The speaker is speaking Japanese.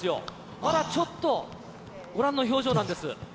まだちょっとご覧の表情なんです。